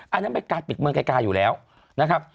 อันนั้นเป็นการปิดเมืองไกลอยู่แล้วนะครับ